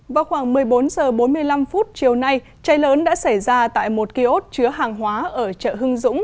vào khoảng một mươi bốn h bốn mươi năm chiều nay cháy lớn đã xảy ra tại một kiosk chứa hàng hóa ở chợ hưng dũng